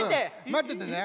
まっててね。